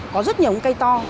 có rất nhiều cây to